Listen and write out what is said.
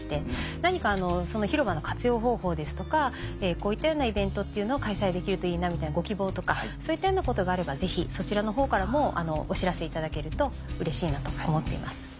何かその広場の活用方法ですとかこういったイベントっていうのを開催できるといいなみたいなご希望とかそういったことがあればぜひそちらのほうからもお知らせいただけるとうれしいなと思っています。